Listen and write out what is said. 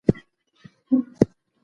ایا بدلون به راسي؟